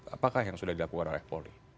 apakah yang sudah dilakukan oleh polri